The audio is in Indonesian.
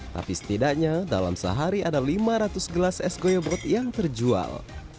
tapi setidaknya dalam sehari ada lima ratus gelas es goyobot yang terjual